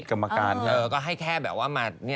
กรรมการใช่ไหม